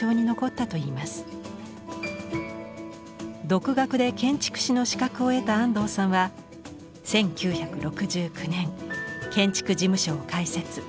独学で建築士の資格を得た安藤さんは１９６９年建築事務所を開設。